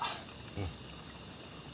うん。